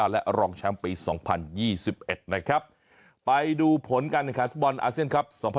และรองช้ำปี๒๐๒๑นะครับไปดูผลกันครับฟุตบอลอาเซียนครับ